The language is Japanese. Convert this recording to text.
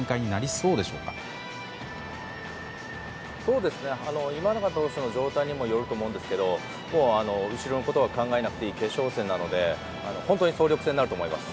そうですね、今永投手の状態にもよると思うんですが後ろのことは考えなくていい決勝戦なので本当に総力戦になると思います。